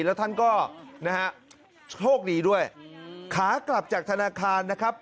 แล้วท่านก็นะฮะโชคดีด้วยขากลับจากธนาคารนะครับ